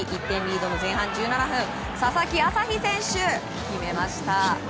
１点リードの前半１７分佐々木旭選手が決めました。